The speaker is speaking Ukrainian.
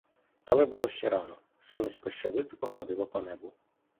Але було ще рано, сонечко ще високо ходило по небу.